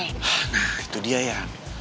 nah itu dia ya